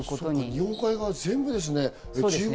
日本海側全部ですね。